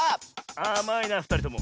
あまいなふたりとも。